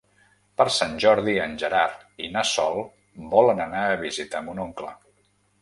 Per Sant Jordi en Gerard i na Sol volen anar a visitar mon oncle.